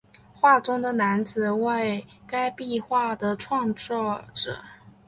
画中的男子为该壁画的创作者。